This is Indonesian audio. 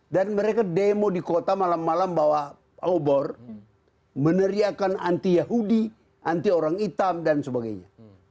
dan mereka demo di kota malam malam bahwa obor meneriakan anti yahudi anti orang hitam dan sebagainya